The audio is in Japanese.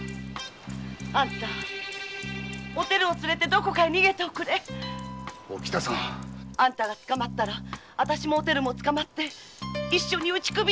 あんたおてるを連れてどこかへ逃げておくれ！あんたが捕まれば私とおてるも捕まって一緒に打ち首だよ！